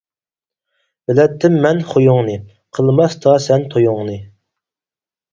بىلەتتىم مەن خۇيۇڭنى، قىلماستا سەن تويۇڭنى.